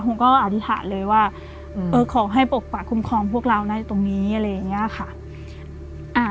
ผมก็อธิษฐานเลยว่าขอให้ปกปักคุ้มครองพวกเรานะตรงนี้อะไรอย่างนี้ค่ะ